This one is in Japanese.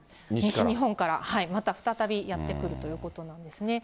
西日本から、また再びやって来るということなんですね。